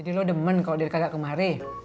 jadi lo demen kok dari kakak kemari